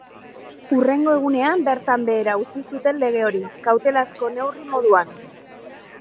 Hurrengo egunean, bertan behera utzi zuten lege hori, kautelazko neurri moduan.